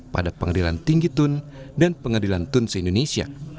pada pengadilan tinggi tun dan pengadilan tun se indonesia